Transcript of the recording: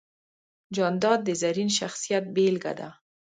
جانداد د زرین شخصیت بېلګه ده.